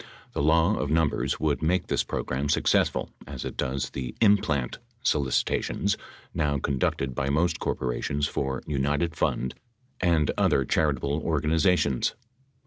The law of num bers would make this program successful as it does the "in plant" solicitations now conducted by most corporations for united Fund and other charitable organizations.